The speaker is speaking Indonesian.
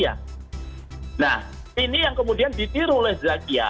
nah ini yang kemudian ditiru oleh zakia